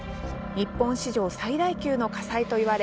日本史上最大級の火災といわれ